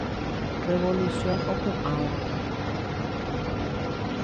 Revolución opu'ãva.